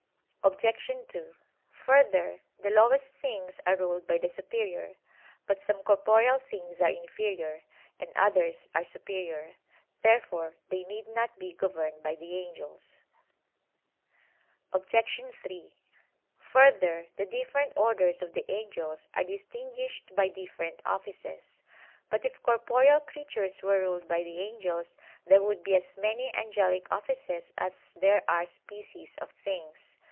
Obj. 2: Further, the lowest things are ruled by the superior. But some corporeal things are inferior, and others are superior. Therefore they need not be governed by the angels. Obj. 3: Further, the different orders of the angels are distinguished by different offices. But if corporeal creatures were ruled by the angels, there would be as many angelic offices as there are species of things.